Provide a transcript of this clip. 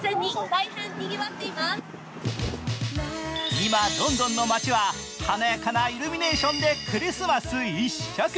今、ロンドンの街は華やかなイルミネーションでクリスマス一色。